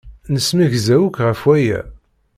Nemsegza akk ɣef waya.